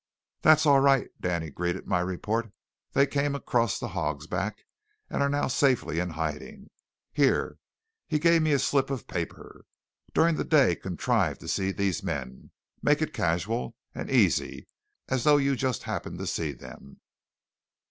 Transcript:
"That's all right," Danny greeted my report; "they came across the Hog's Back, and are now safely in hiding. Here," he gave me a slip of paper. "During the day contrive to see these men. Make it casual and easy, as though you just happened to see them.